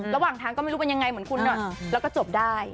ระหว่างทางก็ไม่รู้เป็นยังไงเหมือนคุณหน่อยแล้วก็จบได้